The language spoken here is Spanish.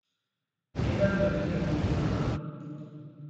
Era de origen musulmán.